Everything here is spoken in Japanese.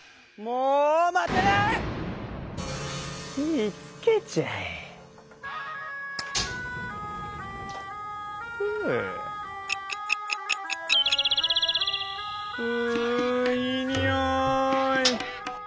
ういいにおい。